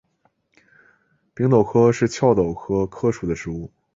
柄果柯是壳斗科柯属的植物。